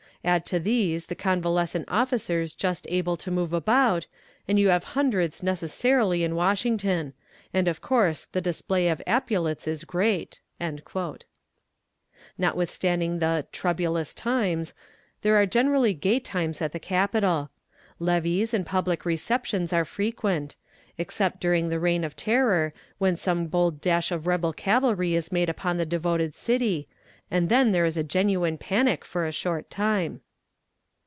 Add to these the convalescent officers just able to move about, and you have hundreds necessarily in Washington. And of course the display of epaulets is great." Notwithstanding the "troublous times," there are generally gay times at the Capital. Levees and public receptions are frequent, except during the reign of terror, when some bold dash of rebel cavalry is made upon the devoted city, and then there is a genuine panic for a short time.